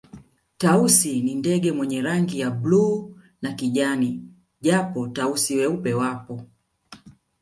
Tausi ni ndege mwenye rangi ya bluu na kijani japo Tausi weupe wapo